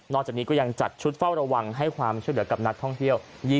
จากนี้ก็ยังจัดชุดเฝ้าระวังให้ความช่วยเหลือกับนักท่องเที่ยว